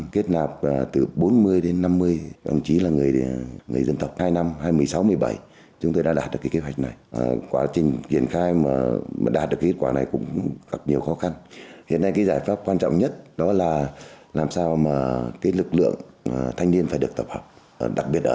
xin chào và hẹn gặp lại